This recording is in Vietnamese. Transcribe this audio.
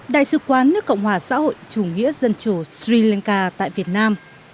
đại sứ quán nước cộng hòa xã hội chủ nghĩa dân chủ sri lanka tại việt nam